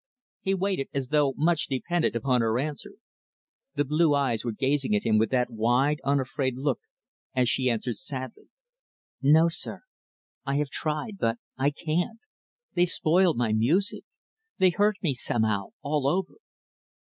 He waited, as though much depended upon her answer. The blue eyes were gazing at him with that wide, unafraid look as she answered sadly, "No, sir. I have tried, but I can't. They spoil my music. They hurt me, somehow, all over."